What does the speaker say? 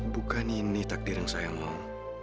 bukan ini takdir yang saya mau